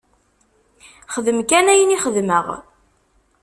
Xdem kan ayen i xedmeɣ!